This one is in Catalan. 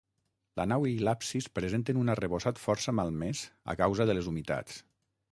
La nau i l'absis presenten un arrebossat força malmès a causa de les humitats.